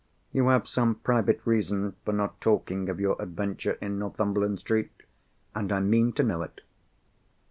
You have some private reason for not talking of your adventure in Northumberland Street; and I mean to know it."